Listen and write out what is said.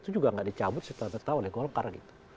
itu juga tidak dicabut setelah tertahun tahun di golkar